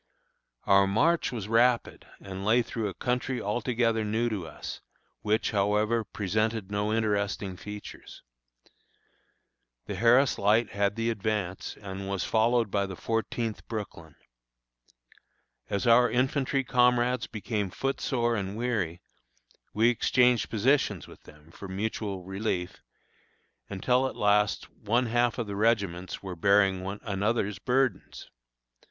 Our march was rapid and lay through a country altogether new to us, which, however, presented no very interesting features. The Harris Light had the advance, and was followed by the Fourteenth Brooklyn. As our infantry comrades became foot sore and weary, we exchanged positions with them, for mutual relief, until at last one half of the regiments were bearing one another's burdens.